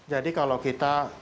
jadi kalau kita